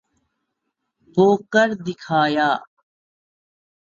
وہ کر دکھایا۔